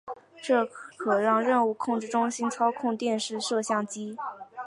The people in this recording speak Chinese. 这可让任务控制中心操控电视摄像机。